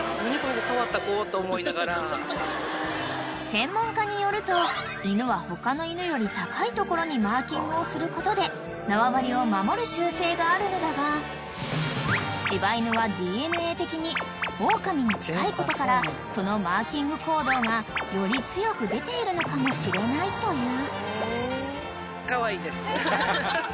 ［専門家によると犬は他の犬より高い所にマーキングをすることで縄張りを守る習性があるのだが柴犬はＤＮＡ的にオオカミに近いことからそのマーキング行動がより強く出ているのかもしれないという］